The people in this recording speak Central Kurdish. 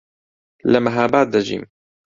لە مەهاباد دەژیم.